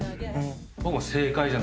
僕も。